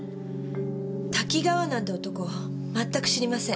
多岐川なんて男まったく知りません。